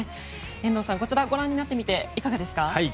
遠藤さん、こちらをご覧になっていかがですか？